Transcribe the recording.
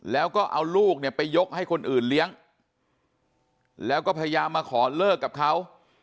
แล้วก็เอาลูกเนี่ยไปยกให้คนอื่นเลี้ยงแล้วก็พยายามมาขอเลิกกับเขา